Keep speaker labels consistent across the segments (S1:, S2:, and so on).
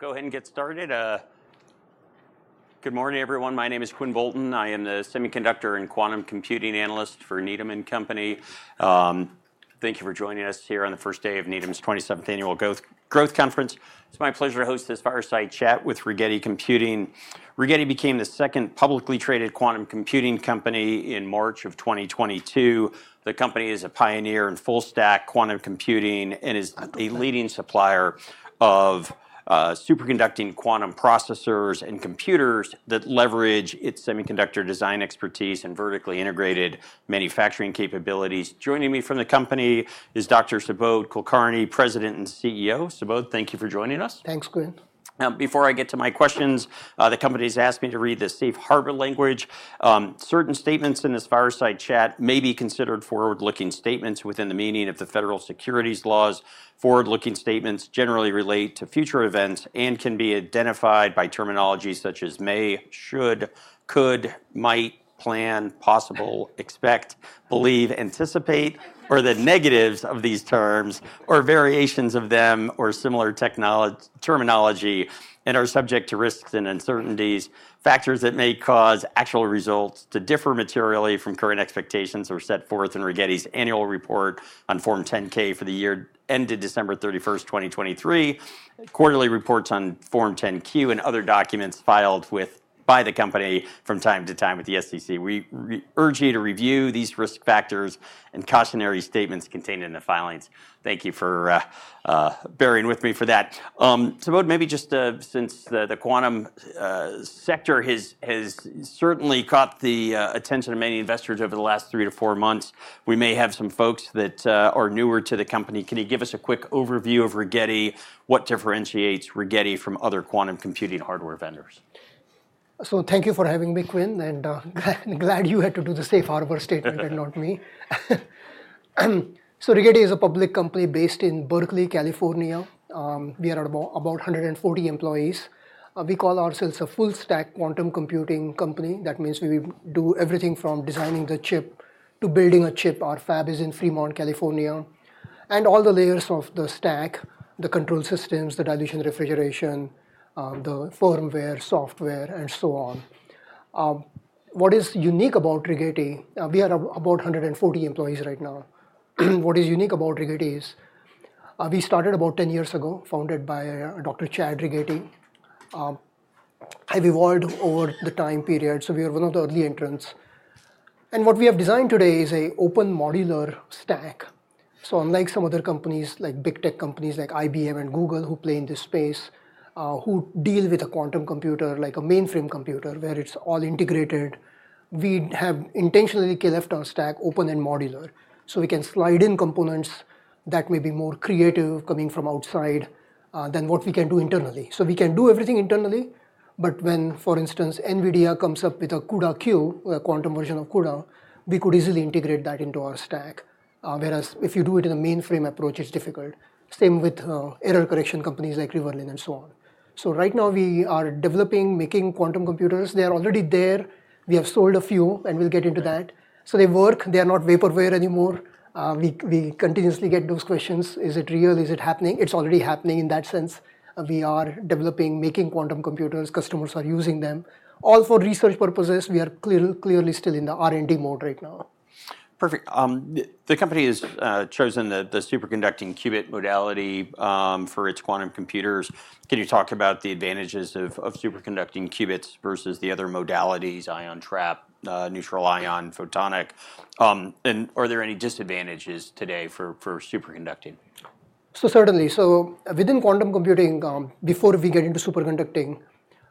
S1: Okay, we'll go ahead and get started. Good morning, everyone. My name is Quinn Bolton. I am the semiconductor and quantum computing analyst for Needham & Company. Thank you for joining us here on the first day of Needham's 27th Annual Growth Conference. It's my pleasure to host this fireside chat with Rigetti Computing. Rigetti became the second publicly traded quantum computing company in March of 2022. The company is a pioneer in full-stack quantum computing and is a leading supplier of superconducting quantum processors and computers that leverage its semiconductor design expertise and vertically integrated manufacturing capabilities. Joining me from the company is Dr. Subodh Kulkarni, President and CEO. Subodh, thank you for joining us.
S2: Thanks, Quinn.
S1: Now, before I get to my questions, the company has asked me to read the safe harbor language. Certain statements in this fireside chat may be considered forward-looking statements within the meaning of the federal securities laws. Forward-looking statements generally relate to future events and can be identified by terminology such as may, should, could, might, plan, possible, expect, believe, anticipate, or the negatives of these terms or variations of them or similar terminology and are subject to risks and uncertainties, factors that may cause actual results to differ materially from current expectations or set forth in Rigetti's annual report on Form 10-K for the year ended December 31st, 2023, quarterly reports on Form 10-Q, and other documents filed by the company from time to time with the SEC. We urge you to review these risk factors and cautionary statements contained in the filings. Thank you for bearing with me for that. Subodh, maybe just since the quantum sector has certainly caught the attention of many investors over the last three to four months, we may have some folks that are newer to the company. Can you give us a quick overview of Rigetti, what differentiates Rigetti from other quantum computing hardware vendors?
S2: Thank you for having me, Quinn, and glad you had to do the safe harbor statement and not me. Rigetti is a public company based in Berkeley, California. We are about 140 employees. We call ourselves a full-stack quantum computing company. That means we do everything from designing the chip to building a chip. Our fab is in Fremont, California, and all the layers of the stack, the control systems, the dilution, refrigeration, the firmware, software, and so on. What is unique about Rigetti? We are about 140 employees right now. What is unique about Rigetti is we started about 10 years ago, founded by Dr. Chad Rigetti. I've evolved over the time period, so we were one of the early entrants. What we have designed today is an open modular stack. So unlike some other companies, like big tech companies like IBM and Google, who play in this space, who deal with a quantum computer, like a mainframe computer, where it's all integrated, we have intentionally left our stack open and modular so we can slide in components that may be more creative coming from outside than what we can do internally. We can do everything internally, but when, for instance, NVIDIA comes up with a CUDA-Q, a quantum version of CUDA, we could easily integrate that into our stack. Whereas if you do it in a mainframe approach, it's difficult. Same with error correction companies like Riverlane and so on. Right now we are developing, making quantum computers. They're already there. We have sold a few, and we'll get into that. They work. They are not vaporware anymore. We continuously get those questions. Is it real? Is it happening? It's already happening in that sense. We are developing, making quantum computers. Customers are using them. All for research purposes. We are clearly still in the R&D mode right now.
S1: Perfect. The company has chosen the superconducting qubit modality for its quantum computers. Can you talk about the advantages of superconducting qubits versus the other modalities, ion trap, neutral ion, photonic? And are there any disadvantages today for superconducting?
S2: So certainly. So within quantum computing, before we get into superconducting,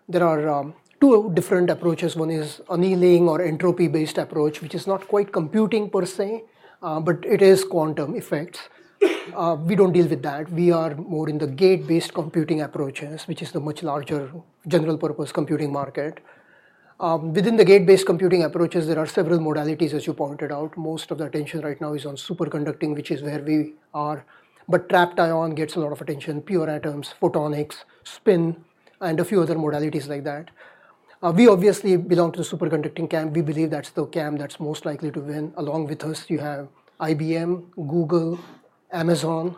S2: there are two different approaches. One is annealing or entropy-based approach, which is not quite computing per se, but it is quantum effects. We don't deal with that. We are more in the gate-based computing approaches, which is the much larger general-purpose computing market. Within the gate-based computing approaches, there are several modalities, as you pointed out. Most of the attention right now is on superconducting, which is where we are, but trapped ion gets a lot of attention, pure atoms, photonics, spin, and a few other modalities like that. We obviously belong to the superconducting camp. We believe that's the camp that's most likely to win. Along with us, you have IBM, Google, Amazon,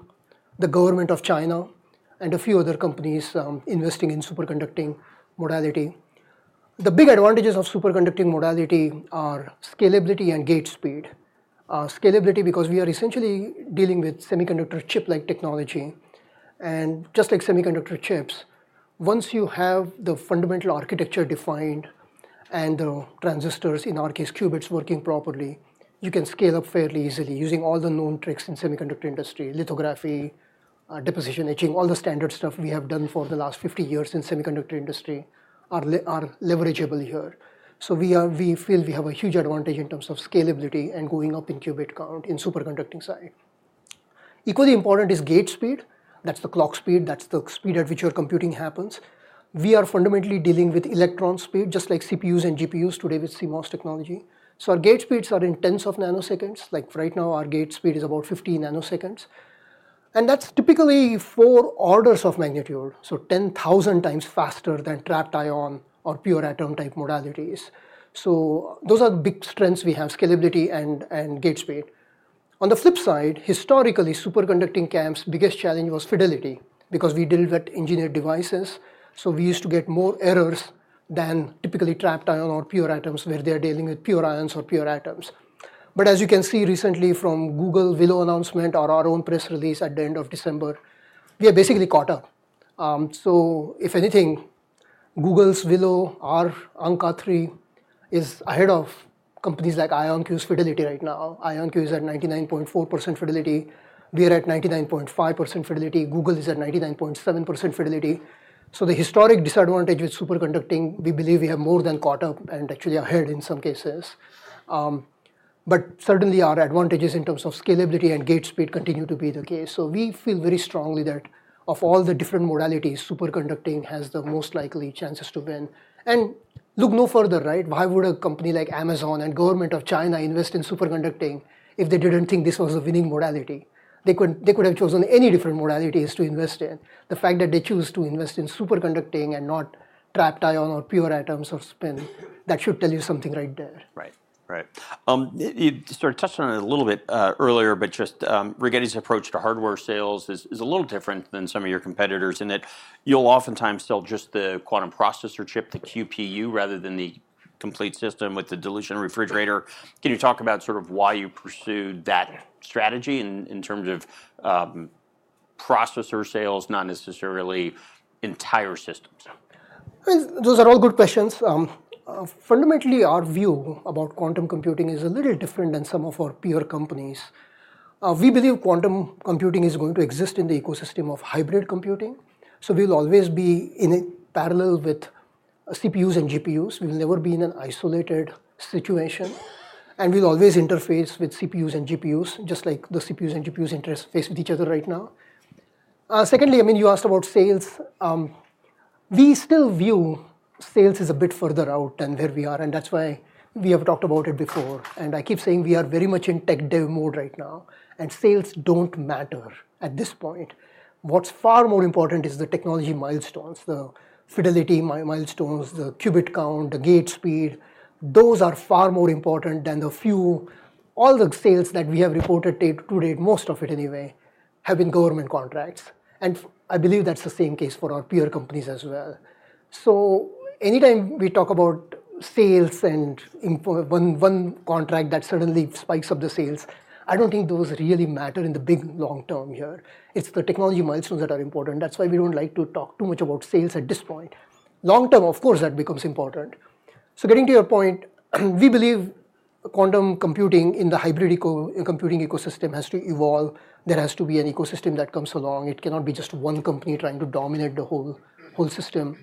S2: the government of China, and a few other companies investing in superconducting modality. The big advantages of superconducting modality are scalability and gate speed. Scalability because we are essentially dealing with semiconductor chip-like technology. And just like semiconductor chips, once you have the fundamental architecture defined and the transistors, in our case, qubits, working properly, you can scale up fairly easily using all the known tricks in the semiconductor industry. Lithography, deposition etching, all the standard stuff we have done for the last 50 years in the semiconductor industry are leverageable here. So we feel we have a huge advantage in terms of scalability and going up in qubit count in the superconducting side. Equally important is gate speed. That's the clock speed. That's the speed at which your computing happens. We are fundamentally dealing with electron speed, just like CPUs and GPUs today with CMOS technology. So our gate speeds are in tens of nanoseconds. Like right now, our gate speed is about 50 nanoseconds. That's typically four orders of magnitude, so 10,000 times faster than trapped ion or pure atom-type modalities. So those are the big strengths we have: scalability and gate speed. On the flip side, historically, superconducting camp's biggest challenge was fidelity because we deal with engineered devices. So we used to get more errors than typically trapped ion or pure atoms where they are dealing with pure ions or pure atoms. But as you can see recently from Google's Willow announcement or our own press release at the end of December, we are basically caught up. So if anything, Google's Willow, our Ankaa-3, is ahead of companies like IonQ's fidelity right now. IonQ is at 99.4% fidelity. We are at 99.5% fidelity. Google is at 99.7% fidelity. So the historic disadvantage with superconducting, we believe we have more than caught up and actually ahead in some cases. But certainly, our advantages in terms of scalability and gate speed continue to be the case. So we feel very strongly that of all the different modalities, superconducting has the most likely chances to win. And look no further, right? Why would a company like Amazon and the government of China invest in superconducting if they didn't think this was a winning modality? They could have chosen any different modalities to invest in. The fact that they choose to invest in superconducting and not trapped ion or pure atoms or spin, that should tell you something right there.
S1: Right, right. You sort of touched on it a little bit earlier, but just Rigetti's approach to hardware sales is a little different than some of your competitors in that you'll oftentimes sell just the quantum processor chip, the QPU, rather than the complete system with the dilution refrigerator. Can you talk about sort of why you pursued that strategy in terms of processor sales, not necessarily entire systems?
S2: Those are all good questions. Fundamentally, our view about quantum computing is a little different than some of our peer companies. We believe quantum computing is going to exist in the ecosystem of hybrid computing. So we'll always be in parallel with CPUs and GPUs. We will never be in an isolated situation. And we'll always interface with CPUs and GPUs, just like the CPUs and GPUs interface with each other right now. Secondly, I mean, you asked about sales. We still view sales as a bit further out than where we are, and that's why we have talked about it before. And I keep saying we are very much in tech dev mode right now, and sales don't matter at this point. What's far more important is the technology milestones, the fidelity milestones, the qubit count, the gate speed. Those are far more important than the few. All the sales that we have reported to date, most of it anyway, have been government contracts. And I believe that's the same case for our peer companies as well. So anytime we talk about sales and one contract that suddenly spikes up the sales, I don't think those really matter in the big long term here. It's the technology milestones that are important. That's why we don't like to talk too much about sales at this point. Long term, of course, that becomes important. So getting to your point, we believe quantum computing in the hybrid computing ecosystem has to evolve. There has to be an ecosystem that comes along. It cannot be just one company trying to dominate the whole system.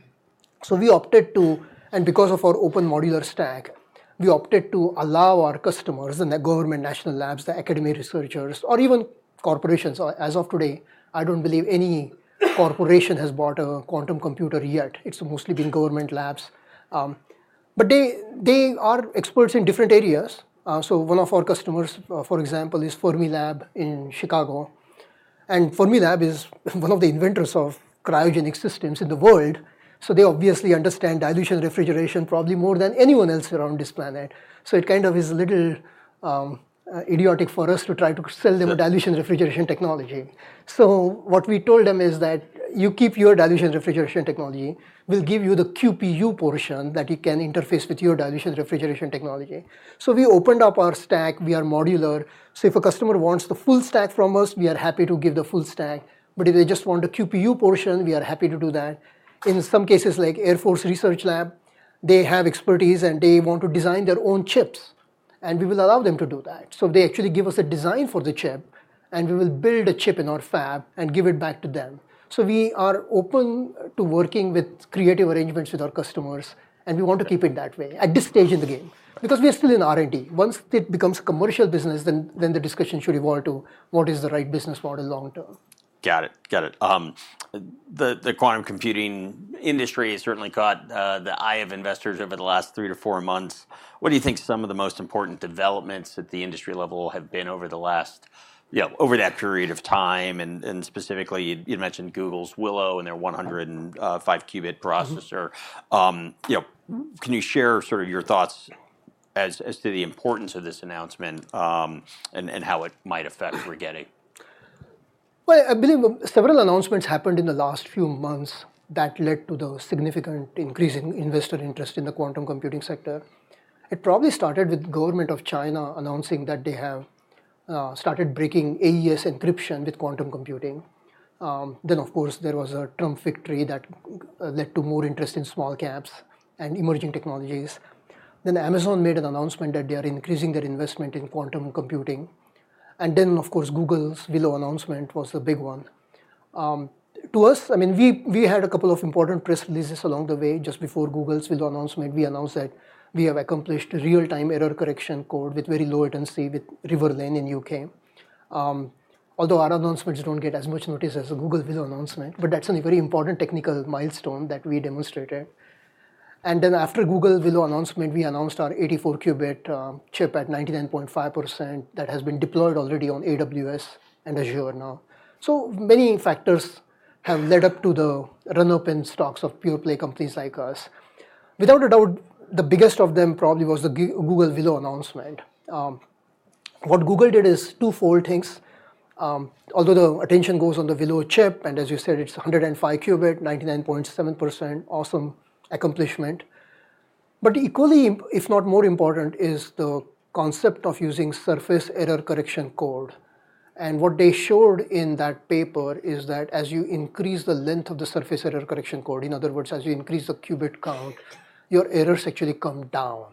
S2: We opted to, and because of our open modular stack, we opted to allow our customers and the government, national labs, the academy researchers, or even corporations. As of today, I don't believe any corporation has bought a quantum computer yet. It's mostly been government labs. But they are experts in different areas. One of our customers, for example, is Fermilab in Chicago. Fermilab is one of the inventors of cryogenic systems in the world. They obviously understand dilution refrigerator technology probably more than anyone else around this planet. It kind of is a little idiotic for us to try to sell them a dilution refrigerator technology. What we told them is that you keep your dilution refrigerator technology. We'll give you the QPU portion that you can interface with your dilution refrigerator technology. We opened up our stack. We are modular. So if a customer wants the full stack from us, we are happy to give the full stack. But if they just want a QPU portion, we are happy to do that. In some cases, like Air Force Research Laboratory, they have expertise and they want to design their own chips. And we will allow them to do that. So they actually give us a design for the chip, and we will build a chip in our fab and give it back to them. So we are open to working with creative arrangements with our customers, and we want to keep it that way at this stage in the game because we are still in R&D. Once it becomes a commercial business, then the discussion should evolve to what is the right business model long term.
S1: Got it, got it. The quantum computing industry has certainly caught the eye of investors over the last three to four months. What do you think some of the most important developments at the industry level have been over that period of time? And specifically, you mentioned Google's Willow and their 105-qubit processor. Can you share sort of your thoughts as to the importance of this announcement and how it might affect Rigetti?
S2: Well, I believe several announcements happened in the last few months that led to the significant increase in investor interest in the quantum computing sector. It probably started with the government of China announcing that they have started breaking AES encryption with quantum computing. Then, of course, there was a Trump victory that led to more interest in small caps and emerging technologies. Then Amazon made an announcement that they are increasing their investment in quantum computing. And then, of course, Google's Willow announcement was the big one. To us, I mean, we had a couple of important press releases along the way. Just before Google's Willow announcement, we announced that we have accomplished real-time error correction code with very low latency with Riverlane in the U.K. Although our announcements don't get as much notice as Google's Willow announcement, but that's a very important technical milestone that we demonstrated. And then after Google's Willow announcement, we announced our 84-qubit chip at 99.5% that has been deployed already on AWS and Azure now. So many factors have led up to the run-up in stocks of pure-play companies like us. Without a doubt, the biggest of them probably was the Google Willow announcement. What Google did is twofold things. Although the attention goes on the Willow chip, and as you said, it's 105-qubit, 99.7%, awesome accomplishment. But equally, if not more important, is the concept of using surface error correction code. And what they showed in that paper is that as you increase the length of the surface error correction code, in other words, as you increase the qubit count, your errors actually come down.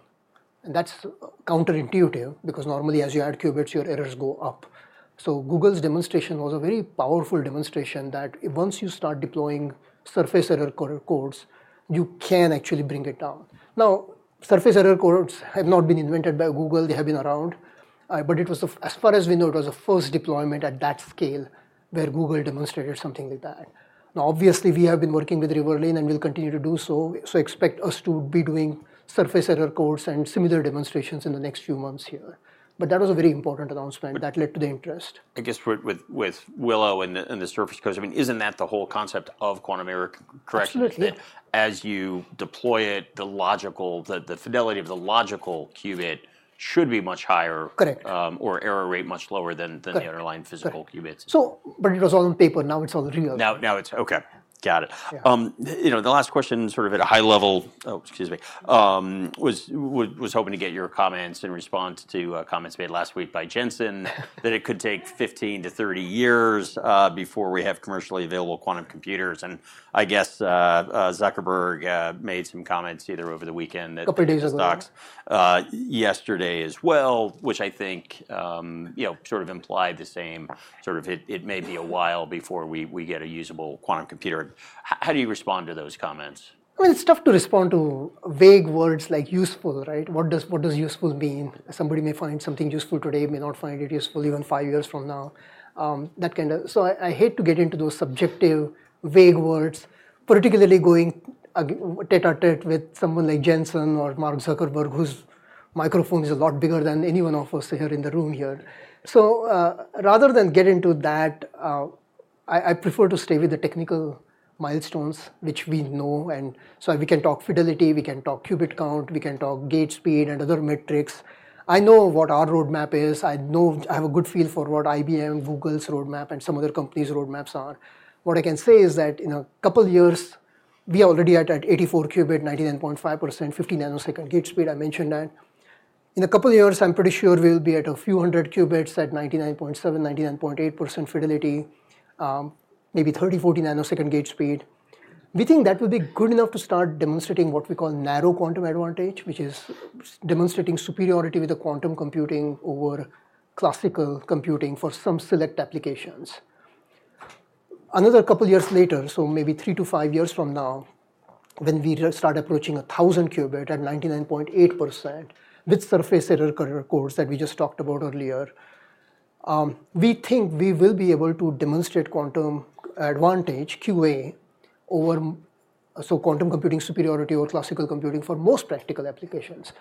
S2: And that's counterintuitive because normally as you add qubits, your errors go up. So Google's demonstration was a very powerful demonstration that once you start deploying surface codes, you can actually bring it down. Now, surface codes have not been invented by Google. They have been around. But as far as we know, it was the first deployment at that scale where Google demonstrated something like that. Now, obviously, we have been working with Riverlane and will continue to do so. So expect us to be doing surface codes and similar demonstrations in the next few months here. But that was a very important announcement that led to the interest.
S1: I guess with Willow and the surface codes, I mean, isn't that the whole concept of quantum error correction?
S2: Absolutely.
S1: As you deploy it, the logical, the fidelity of the logical qubit should be much higher.
S2: Correct.
S1: or error rate much lower than the underlying physical qubits.
S2: But it was all on paper. Now it's all real.
S1: The last question sort of at a high level, excuse me, was hoping to get your comments in response to comments made last week by Jensen that it could take 15-30 years before we have commercially available quantum computers. And I guess Zuckerberg made some comments either over the weekend.
S2: A couple of days ago.
S1: Yesterday as well, which I think sort of implied the same sort of it may be a while before we get a usable quantum computer. How do you respond to those comments?
S2: I mean, it's tough to respond to vague words like useful, right? What does useful mean? Somebody may find something useful today, may not find it useful even five years from now. That kind of, so I hate to get into those subjective vague words, particularly going tête-à-tête with someone like Jensen or Mark Zuckerberg, whose microphone is a lot bigger than any one of us here in the room here. So rather than get into that, I prefer to stay with the technical milestones, which we know. And so we can talk fidelity. We can talk qubit count. We can talk gate speed and other metrics. I know what our roadmap is. I have a good feel for what IBM, Google's roadmap, and some other companies' roadmaps are. What I can say is that in a couple of years, we are already at 84-qubit, 99.5%, 50-nanosecond gate speed. I mentioned that. In a couple of years, I'm pretty sure we'll be at a few hundred qubits at 99.7%-99.8% fidelity, maybe 30-40 nanosecond gate speed. We think that will be good enough to start demonstrating what we call narrow quantum advantage, which is demonstrating superiority with the quantum computing over classical computing for some select applications. Another couple of years later, so maybe three to five years from now, when we start approaching 1,000-qubit at 99.8% with surface code that we just talked about earlier, we think we will be able to demonstrate quantum advantage, QA, over quantum computing superiority over classical computing for most practical applications.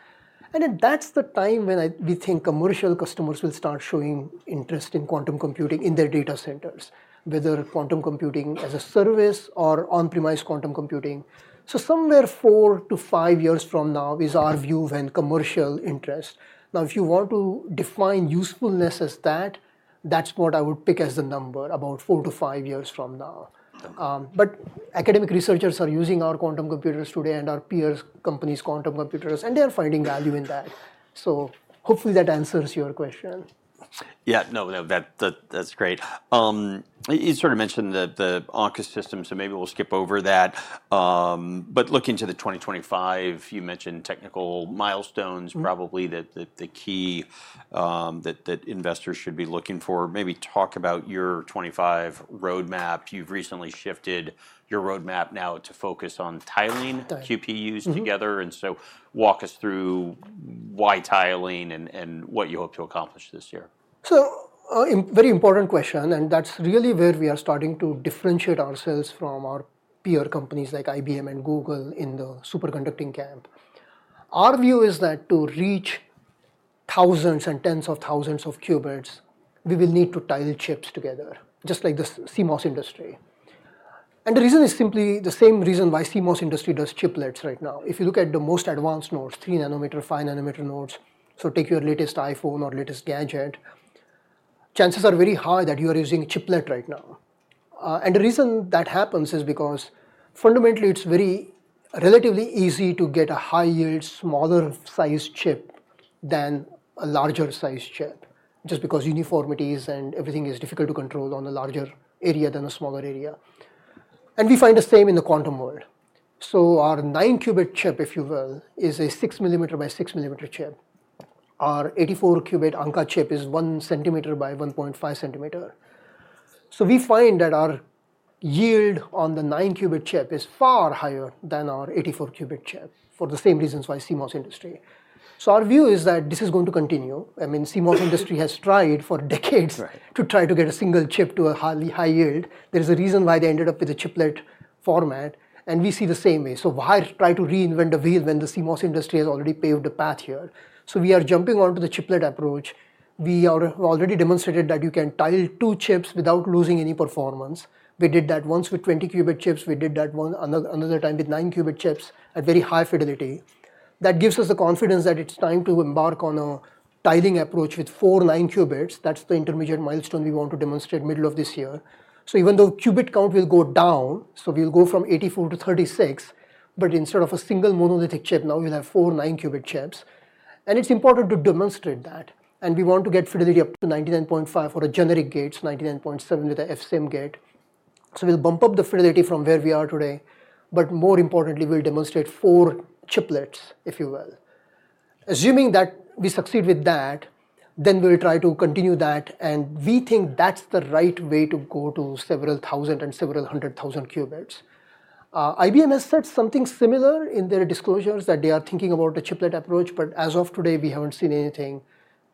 S2: And then that's the time when we think commercial customers will start showing interest in quantum computing in their data centers, whether quantum computing as a service or on-premise quantum computing. So somewhere four to five years from now is our view and commercial interest. Now, if you want to define usefulness as that, that's what I would pick as the number about four to five years from now. But academic researchers are using our quantum computers today and our peers' companies' quantum computers, and they are finding value in that. So hopefully that answers your question.
S1: Yeah, no, that's great. You sort of mentioned the Ankaa system, so maybe we'll skip over that. But looking to 2025, you mentioned technical milestones, probably the key that investors should be looking for. Maybe talk about your '25 roadmap. You've recently shifted your roadmap now to focus on tiling QPUs together. And so walk us through why tiling and what you hope to accomplish this year.
S2: So very important question, and that's really where we are starting to differentiate ourselves from our peer companies like IBM and Google in the superconducting camp. Our view is that to reach thousands and tens of thousands of qubits, we will need to tile chips together, just like the CMOS industry. And the reason is simply the same reason why CMOS industry does chiplets right now. If you look at the most advanced nodes, three nanometer, five nanometer nodes, so take your latest iPhone or latest gadget, chances are very high that you are using chiplet right now. And the reason that happens is because fundamentally it's very relatively easy to get a high yield, smaller size chip than a larger size chip, just because uniformities and everything is difficult to control on a larger area than a smaller area. And we find the same in the quantum world. So our nine qubit chip, if you will, is a six millimeter by six millimeter chip. Our 84 qubit Ankaa chip is one centimeter by 1.5 centimeter. So we find that our yield on the nine qubit chip is far higher than our 84 qubit chip for the same reasons why CMOS industry. So our view is that this is going to continue. I mean, CMOS industry has tried for decades to try to get a single chip to a high yield. There is a reason why they ended up with a chiplet format, and we see the same way. So why try to reinvent the wheel when the CMOS industry has already paved the path here? So we are jumping onto the chiplet approach. We have already demonstrated that you can tile two chips without losing any performance. We did that once with 20 qubit chips. We did that one another time with nine qubit chips at very high fidelity. That gives us the confidence that it's time to embark on a tiling approach with four nine qubits. That's the intermediate milestone we want to demonstrate middle of this year. So even though qubit count will go down, so we'll go from 836, but instead of a single monolithic chip, now we'll have four nine qubit chips. And it's important to demonstrate that. And we want to get fidelity up to 99.5% for a generic gate, 99.7% with an fSim gate. So we'll bump up the fidelity from where we are today, but more importantly, we'll demonstrate four chiplets, if you will. Assuming that we succeed with that, then we'll try to continue that. And we think that's the right way to go to several thousand and several hundred thousand qubits. IBM has said something similar in their disclosures that they are thinking about a chiplet approach, but as of today, we haven't seen anything,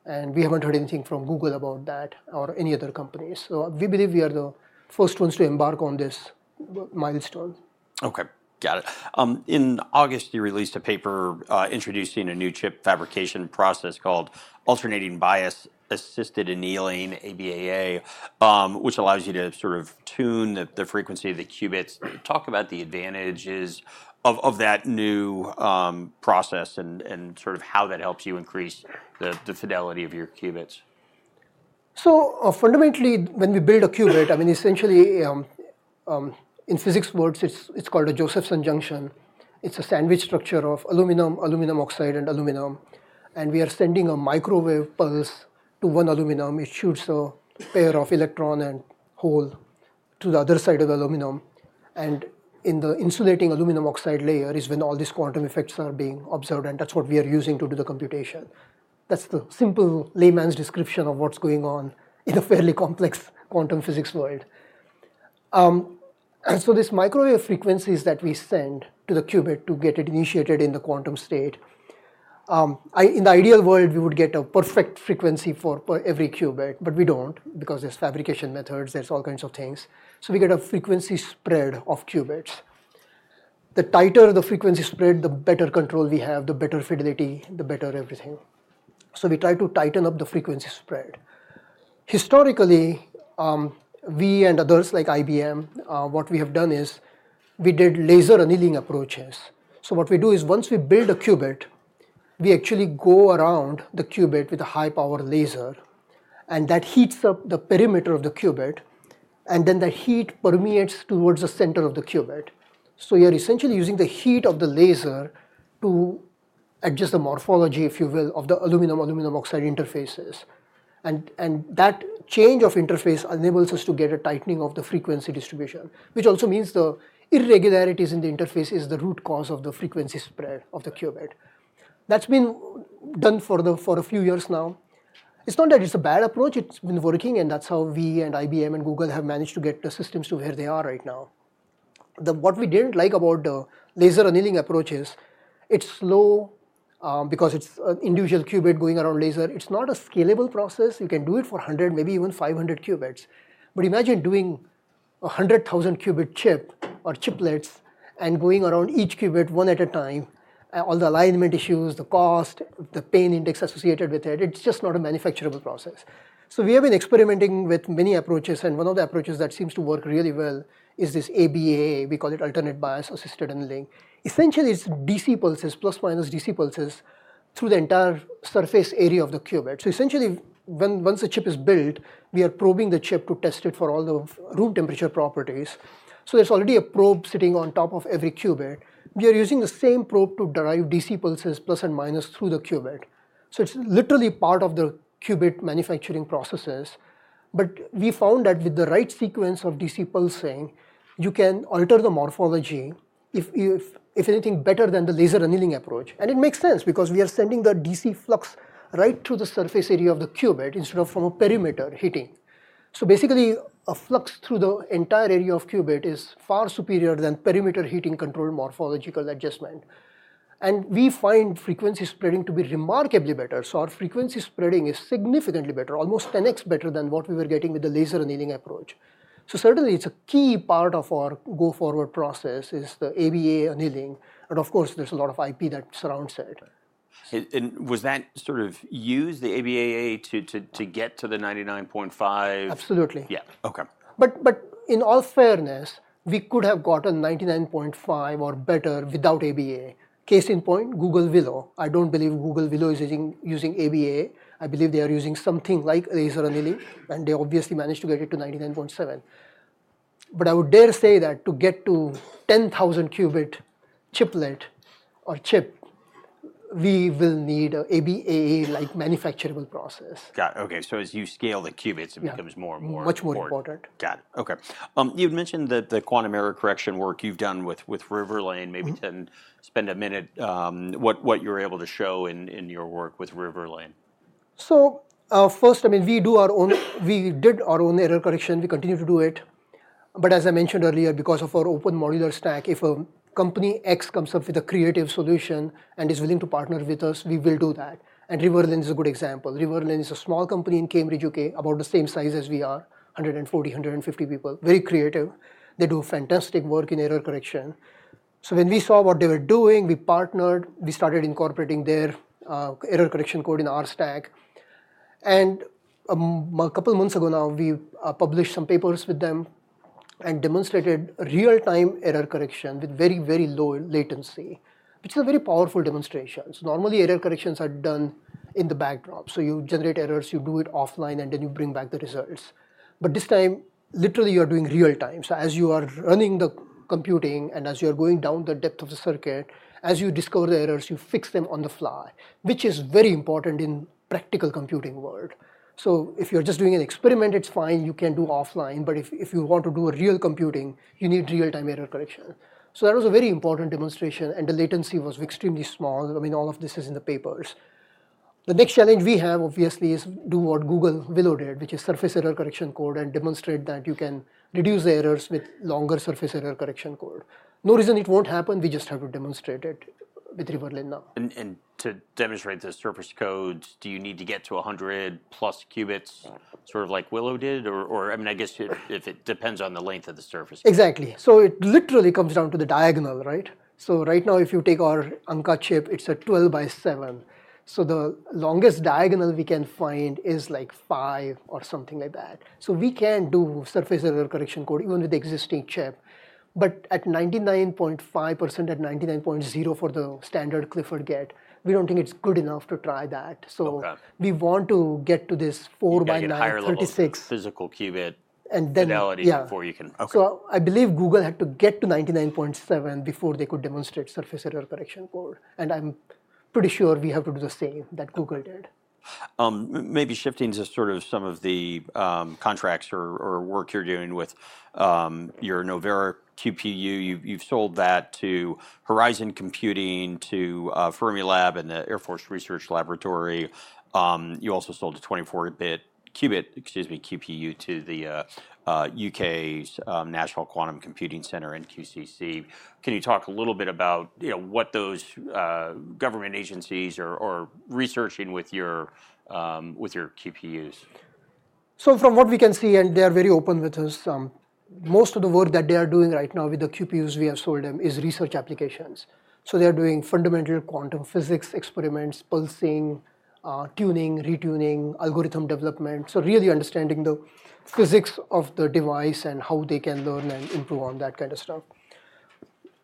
S2: and we haven't heard anything from Google about that or any other companies, so we believe we are the first ones to embark on this milestone.
S1: Okay, got it. In August, you released a paper introducing a new chip fabrication process called Alternating Bias Assisted Annealing, ABAA, which allows you to sort of tune the frequency of the qubits. Talk about the advantages of that new process and sort of how that helps you increase the fidelity of your qubits.
S2: Fundamentally, when we build a qubit, I mean, essentially in physics words, it's called a Josephson junction. It's a sandwich structure of aluminum, aluminum oxide, and aluminum. We are sending a microwave pulse to one aluminum. It shoots a pair of electron and hole to the other side of the aluminum. In the insulating aluminum oxide layer is when all these quantum effects are being observed. That's what we are using to do the computation. That's the simple layman's description of what's going on in a fairly complex quantum physics world. This microwave frequency is that we send to the qubit to get it initiated in the quantum state. In the ideal world, we would get a perfect frequency for every qubit, but we don't because there's fabrication methods. There's all kinds of things. We get a frequency spread of qubits. The tighter the frequency spread, the better control we have, the better fidelity, the better everything, so we try to tighten up the frequency spread. Historically, we and others like IBM, what we have done is we did laser annealing approaches, so what we do is once we build a qubit, we actually go around the qubit with a high-powered laser, and that heats up the perimeter of the qubit, and then that heat permeates towards the center of the qubit, so you're essentially using the heat of the laser to adjust the morphology, if you will, of the aluminum-aluminum oxide interfaces, and that change of interface enables us to get a tightening of the frequency distribution, which also means the irregularities in the interface is the root cause of the frequency spread of the qubit. That's been done for a few years now. It's not that it's a bad approach. It's been working, and that's how we and IBM and Google have managed to get the systems to where they are right now. What we didn't like about the laser annealing approach is it's slow because it's an individual qubit going around laser. It's not a scalable process. You can do it for 100, maybe even 500 qubits, but imagine doing a 100,000 qubit chip or chiplets and going around each qubit one at a time, all the alignment issues, the cost, the pain index associated with it. It's just not a manufacturable process, so we have been experimenting with many approaches. And one of the approaches that seems to work really well is this ABAA. We call it Alternating Bias Assisted Annealing. Essentially, it's DC pulses, plus minus DC pulses through the entire surface area of the qubit. So essentially, once the chip is built, we are probing the chip to test it for all the room temperature properties. So there's already a probe sitting on top of every qubit. We are using the same probe to derive DC pulses, plus and minus through the qubit. So it's literally part of the qubit manufacturing processes. But we found that with the right sequence of DC pulsing, you can alter the morphology, if anything, better than the laser annealing approach. And it makes sense because we are sending the DC flux right through the surface area of the qubit instead of from a perimeter heating. So basically, a flux through the entire area of qubit is far superior than perimeter heating controlled morphological adjustment. And we find frequency spreading to be remarkably better. So our frequency spreading is significantly better, almost 10x better than what we were getting with the laser annealing approach. So certainly, it's a key part of our go-forward process is the ABAA annealing. And of course, there's a lot of IP that surrounds it.
S1: Was that sort of used the ABAA to get to the 99.5?
S2: Absolutely.
S1: Yeah, okay.
S2: But in all fairness, we could have gotten 99.5% or better without ABAA. Case in point, Google Willow. I don't believe Google Willow is using ABAA. I believe they are using something like laser annealing, and they obviously managed to get it to 99.7%. But I would dare say that to get to 10,000-qubit chiplet or chip, we will need an ABAA-like manufacturable process.
S1: Got it. Okay. So as you scale the qubits, it becomes more and more important.
S2: Much more important.
S1: Got it. Okay. You had mentioned that the quantum error correction work you've done with Riverlane. Maybe spend a minute what you're able to show in your work with Riverlane.
S2: So first, I mean, we did our own error correction. We continue to do it. But as I mentioned earlier, because of our open modular stack, if a company X comes up with a creative solution and is willing to partner with us, we will do that. And Riverlane is a good example. Riverlane is a small company in Cambridge, UK, about the same size as we are, 140-150 people, very creative. They do fantastic work in error correction. So when we saw what they were doing, we partnered. We started incorporating their error correction code in our stack. And a couple of months ago now, we published some papers with them and demonstrated real-time error correction with very, very low latency, which is a very powerful demonstration. So normally, error corrections are done in the background. So you generate errors, you do it offline, and then you bring back the results. But this time, literally, you're doing real-time. So as you are running the computing and as you're going down the depth of the circuit, as you discover the errors, you fix them on the fly, which is very important in the practical computing world. So if you're just doing an experiment, it's fine. You can do offline. But if you want to do real computing, you need real-time error correction. So that was a very important demonstration, and the latency was extremely small. I mean, all of this is in the papers. The next challenge we have, obviously, is to do what Google Willow did, which is surface error correction code and demonstrate that you can reduce the errors with longer surface error correction code. No reason it won't happen. We just have to demonstrate it with Riverlane now.
S1: To demonstrate this surface code, do you need to get to 100 plus qubits, sort of like Willow did? Or, I mean, I guess if it depends on the length of the surface.
S2: Exactly. So it literally comes down to the diagonal, right? So right now, if you take our Ankaa chip, it's a 12 by 7. So the longest diagonal we can find is like five or something like that. So we can do surface code even with the existing chip. But at 99.5%, at 99.0% for the standard Clifford Gate, we don't think it's good enough to try that. So we want to get to this 4 by 9, 36.
S1: You can't hire a physical qubit.
S2: And then.
S1: Finality before you can.
S2: So I believe Google had to get to 99.7% before they could demonstrate Surface Code. And I'm pretty sure we have to do the same that Google did.
S1: Maybe shifting to sort of some of the contracts or work you're doing with your Novera QPU, you've sold that to Horizon Quantum Computing, to Fermilab, and the Air Force Research Laboratory. You also sold a 24-qubit QPU to the UK's National Quantum Computing Center, NQCC. Can you talk a little bit about what those government agencies are researching with your QPUs?
S2: So from what we can see, and they are very open with us, most of the work that they are doing right now with the QPUs we have sold them is research applications. So they are doing fundamental quantum physics experiments, pulsing, tuning, retuning, algorithm development. So really understanding the physics of the device and how they can learn and improve on that kind of stuff.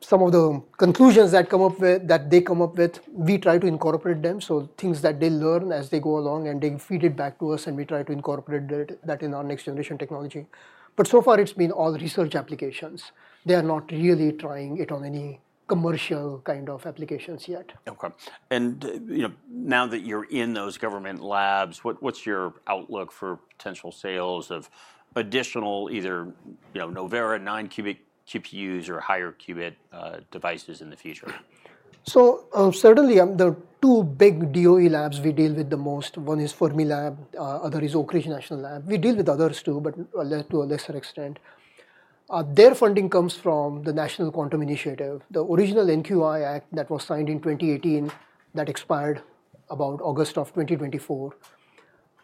S2: Some of the conclusions that they come up with, we try to incorporate them. So things that they learn as they go along, and they feed it back to us, and we try to incorporate that in our next generation technology. But so far, it's been all research applications. They are not really trying it on any commercial kind of applications yet.
S1: Okay. And now that you're in those government labs, what's your outlook for potential sales of additional either Novera 9-qubit QPUs or higher-qubit devices in the future?
S2: So certainly, there are two big DOE labs we deal with the most. One is Fermilab. The other is Oak Ridge National Lab. We deal with others too, but to a lesser extent. Their funding comes from the National Quantum Initiative, the original NQI Act that was signed in 2018 that expired about August of 2024.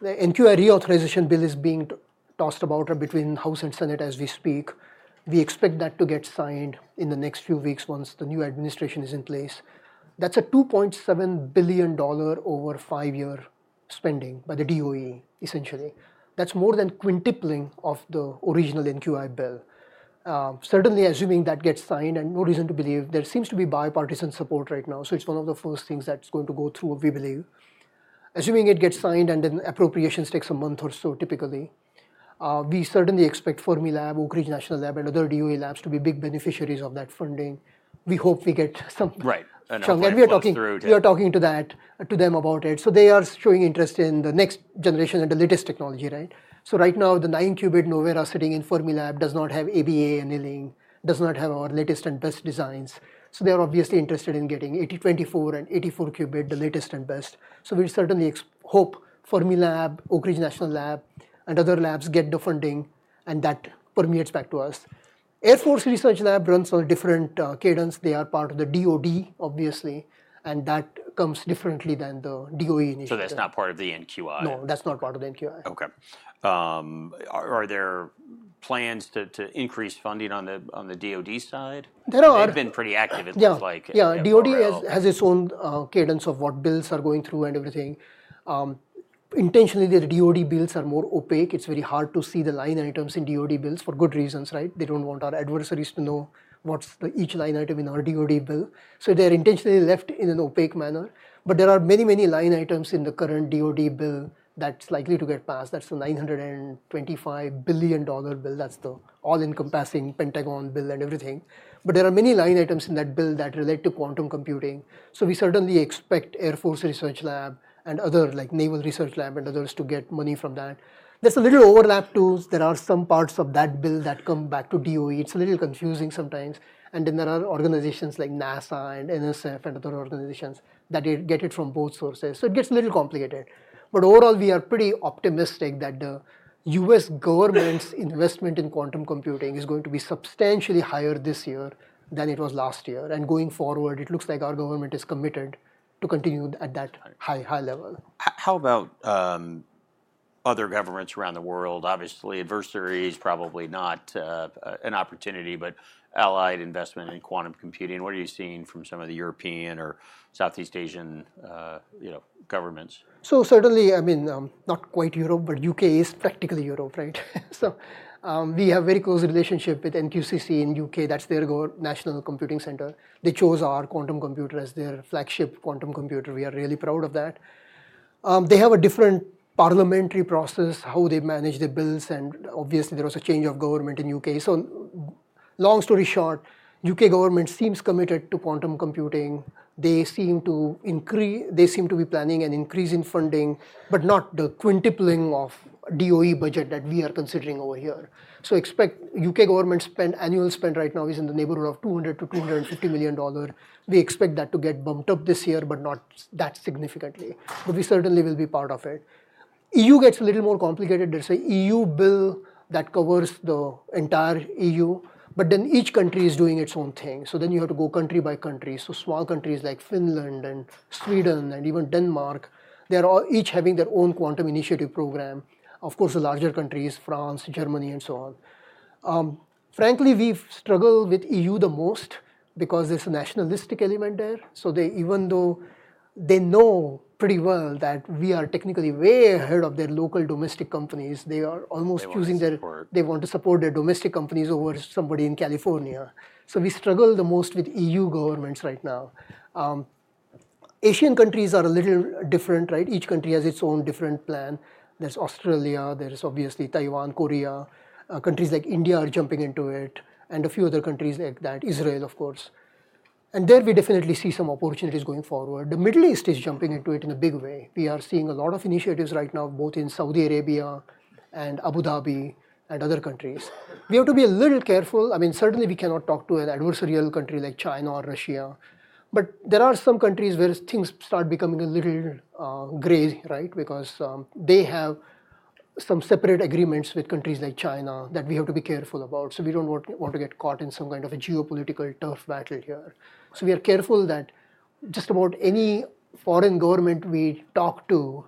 S2: The NQI reauthorization bill is being tossed about between House and Senate as we speak. We expect that to get signed in the next few weeks once the new administration is in place. That's a $2.7 billion over five-year spending by the DOE, essentially. That's more than quintupling of the original NQI bill. Certainly, assuming that gets signed, and no reason to believe, there seems to be bipartisan support right now. So it's one of the first things that's going to go through, we believe. Assuming it gets signed and then appropriations take some months or so, typically, we certainly expect Fermilab, Oak Ridge National Lab, and other DOE labs to be big beneficiaries of that funding. We hope we get some.
S1: Right.
S2: And we are talking to them about it. So they are showing interest in the next generation and the latest technology, right? So right now, the nine-qubit Novera sitting in Fermilab does not have ABAA annealing, does not have our latest and best designs. So they are obviously interested in getting Ankaa and 84-qubit, the latest and best. So we certainly hope Fermilab, Oak Ridge National Lab, and other labs get the funding, and that permeates back to us. Air Force Research Laboratory runs on a different cadence. They are part of the DOD, obviously, and that comes differently than the DOE initiative.
S1: So that's not part of the NQI.
S2: No, that's not part of the NQI.
S1: Okay. Are there plans to increase funding on the DOD side?
S2: There are.
S1: They've been pretty active, it looks like.
S2: Yeah. DOD has its own cadence of what bills are going through and everything. Intentionally, the DOD bills are more opaque. It's very hard to see the line items in DOD bills for good reasons, right? They don't want our adversaries to know what's each line item in our DOD bill. So they're intentionally left in an opaque manner. But there are many, many line items in the current DOD bill that's likely to get passed. That's the $925 billion bill. That's the all-encompassing Pentagon bill and everything. But there are many line items in that bill that relate to quantum computing. So we certainly expect Air Force Research Lab and other, like Naval Research Lab and others, to get money from that. There's a little overlap too. There are some parts of that bill that come back to DOE. It's a little confusing sometimes. And then there are organizations like NASA and NSF and other organizations that get it from both sources. So it gets a little complicated. But overall, we are pretty optimistic that the U.S. government's investment in quantum computing is going to be substantially higher this year than it was last year. And going forward, it looks like our government is committed to continue at that high level.
S1: How about other governments around the world? Obviously, adversaries, probably not an opportunity, but allied investment in quantum computing. What are you seeing from some of the European or Southeast Asian governments?
S2: So certainly, I mean, not quite Europe, but UK is practically Europe, right? So we have a very close relationship with NQCC in the UK. That's their National Quantum Computing Center. They chose our quantum computer as their flagship quantum computer. We are really proud of that. They have a different parliamentary process, how they manage the bills. And obviously, there was a change of government in the UK. So long story short, the UK government seems committed to quantum computing. They seem to be planning an increase in funding, but not the quintupling of DOE budget that we are considering over here. So expect UK government annual spend right now is in the neighborhood of $200-$250 million. We expect that to get bumped up this year, but not that significantly. But we certainly will be part of it. EU gets a little more complicated. There's an EU bill that covers the entire EU, but then each country is doing its own thing. So then you have to go country by country. So small countries like Finland and Sweden and even Denmark, they are each having their own quantum initiative program. Of course, the larger countries, France, Germany, and so on. Frankly, we struggle with EU the most because there's a nationalistic element there. So even though they know pretty well that we are technically way ahead of their local domestic companies, they are almost choosing their - they want to support their domestic companies over somebody in California. So we struggle the most with EU governments right now. Asian countries are a little different, right? Each country has its own different plan. There's Australia. There's obviously Taiwan, Korea. Countries like India are jumping into it, and a few other countries like that, Israel, of course. There we definitely see some opportunities going forward. The Middle East is jumping into it in a big way. We are seeing a lot of initiatives right now, both in Saudi Arabia and Abu Dhabi and other countries. We have to be a little careful. I mean, certainly we cannot talk to an adversarial country like China or Russia. But there are some countries where things start becoming a little gray, right? Because they have some separate agreements with countries like China that we have to be careful about. We don't want to get caught in some kind of a geopolitical turf battle here. We are careful that just about any foreign government we talk to,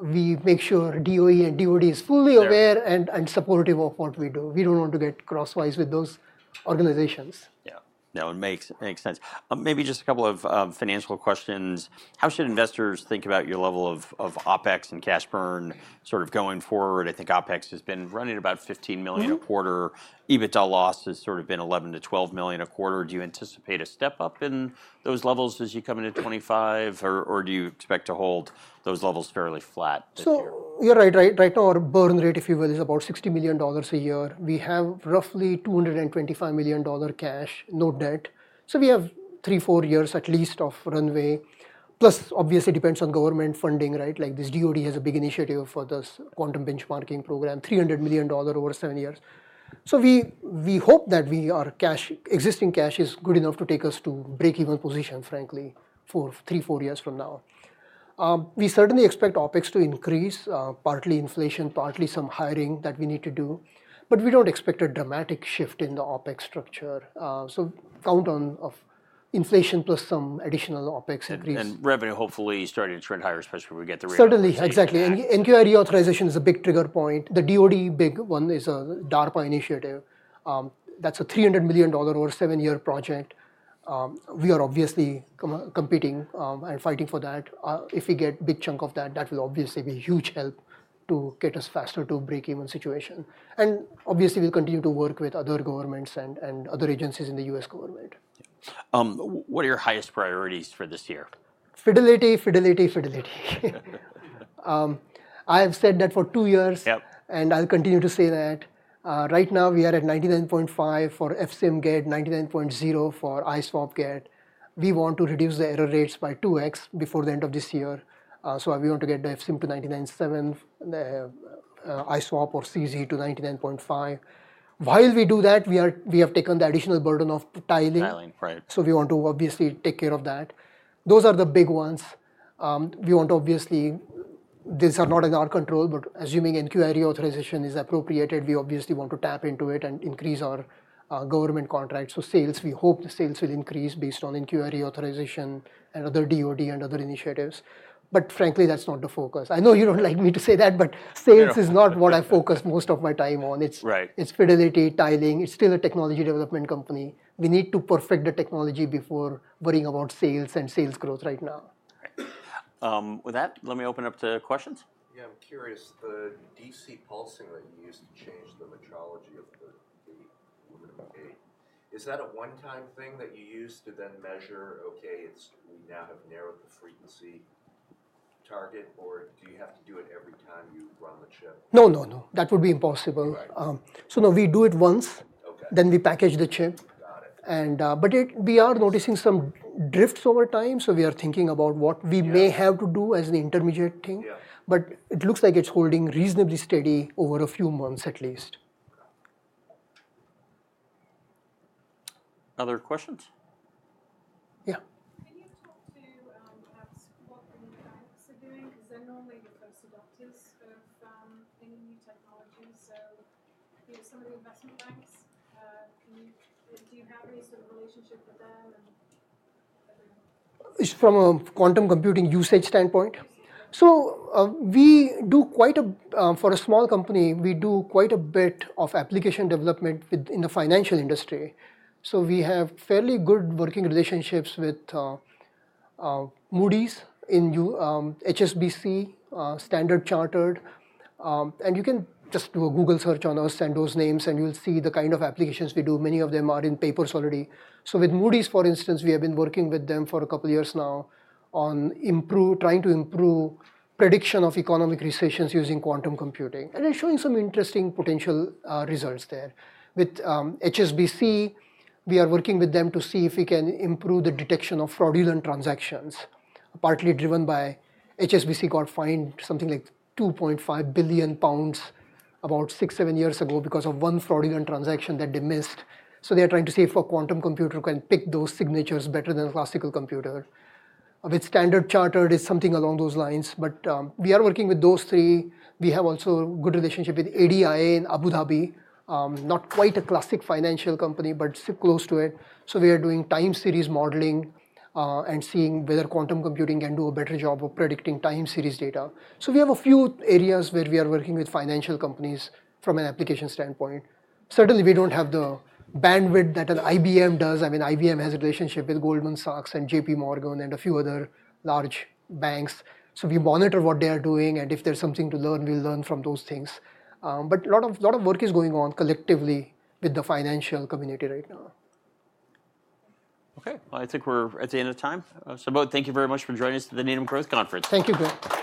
S2: we make sure DOE and DOD is fully aware and supportive of what we do. We don't want to get crosswise with those organizations.
S1: Yeah. No, it makes sense. Maybe just a couple of financial questions. How should investors think about your level of OpEx and cash burn sort of going forward? I think OpEx has been running about $15 million a quarter. EBITDA loss has sort of been $11-$12 million a quarter. Do you anticipate a step up in those levels as you come into 2025, or do you expect to hold those levels fairly flat?
S2: So you're right. Right now, our burn rate, if you will, is about $60 million a year. We have roughly $225 million cash, no debt. So we have three, four years at least of runway. Plus, obviously, it depends on government funding, right? Like this DOD has a big initiative for this quantum benchmarking program, $300 million over seven years. So we hope that our existing cash is good enough to take us to break-even position, frankly, for three, four years from now. We certainly expect OpEx to increase, partly inflation, partly some hiring that we need to do. But we don't expect a dramatic shift in the OpEx structure. So count on inflation plus some additional OpEx increase.
S1: Revenue hopefully starting to trend higher, especially when we get the rate.
S2: Certainly, exactly. And NQI reauthorization is a big trigger point. The DOD big one is a DARPA initiative. That's a $300 million over seven-year project. We are obviously competing and fighting for that. If we get a big chunk of that, that will obviously be a huge help to get us faster to break-even situation. And obviously, we'll continue to work with other governments and other agencies in the U.S. government.
S1: What are your highest priorities for this year?
S2: Fidelity, fidelity, fidelity. I have said that for two years, and I'll continue to say that. Right now, we are at 99.5% for fSim gate, 99.0% for iSWAP gate. We want to reduce the error rates by 2x before the end of this year, so we want to get the fSim to 99.7%, iSWAP or CZ to 99.5%. While we do that, we have taken the additional burden of tiling.
S1: Tiling, right.
S2: We want to obviously take care of that. Those are the big ones. We want to obviously take care of that. These are not in our control, but assuming NQI reauthorization is appropriated, we obviously want to tap into it and increase our government contracts. So sales, we hope the sales will increase based on NQI reauthorization and other DOD and other initiatives. But frankly, that's not the focus. I know you don't like me to say that, but sales is not what I focus most of my time on. It's fidelity, tiling. It's still a technology development company. We need to perfect the technology before worrying about sales and sales growth right now.
S1: With that, let me open up to questions. Yeah, I'm curious. The DC pulsing that you used to change the frequency of the qubits, is that a one-time thing that you use to then measure, okay, we now have narrowed the frequency target, or do you have to do it every time you run the chip?
S2: No, no, no. That would be impossible. So no, we do it once. Then we package the chip. But we are noticing some drifts over time. So we are thinking about what we may have to do as an intermediate thing. But it looks like it's holding reasonably steady over a few months at least.
S1: Other questions?
S2: Yeah. Can you talk to perhaps what the new banks are doing? Because they're normally the first adopters of any new technology. So some of the investment banks, do you have any sort of relationship with them? From a quantum computing usage standpoint? So we do quite a, for a small company, we do quite a bit of application development in the financial industry. So we have fairly good working relationships with Moody's, HSBC, Standard Chartered. And you can just do a Google search on us and those names, and you'll see the kind of applications we do. Many of them are in papers already. So with Moody's, for instance, we have been working with them for a couple of years now on trying to improve prediction of economic recessions using quantum computing. And they're showing some interesting potential results there. With HSBC, we are working with them to see if we can improve the detection of fraudulent transactions, partly driven by HSBC got fined something like 2.5 billion pounds about six, seven years ago because of one fraudulent transaction that they missed. So they are trying to see if a quantum computer can pick those signatures better than a classical computer. With Standard Chartered, it's something along those lines. But we are working with those three. We have also a good relationship with ADIA in Abu Dhabi, not quite a classic financial company, but still close to it. So we are doing time series modeling and seeing whether quantum computing can do a better job of predicting time series data. So we have a few areas where we are working with financial companies from an application standpoint. Certainly, we don't have the bandwidth that an IBM does. I mean, IBM has a relationship with Goldman Sachs and J.P. Morgan and a few other large banks. So we monitor what they are doing, and if there's something to learn, we'll learn from those things. But a lot of work is going on collectively with the financial community right now.
S1: Okay. Well, I think we're at the end of time. So both, thank you very much for joining us at the Needham Growth Conference.
S2: Thank you, Quinn.